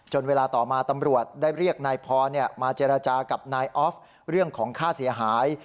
เวลาต่อมาตำรวจได้เรียกนายพรมาเจรจากับนายออฟเรื่องของค่าเสียหาย